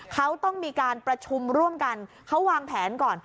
เขาต้องมีการประชุมร่วมกันเขาวางแผนก่อน